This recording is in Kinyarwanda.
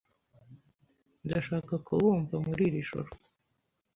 Ndashaka kubumva muri iri joro.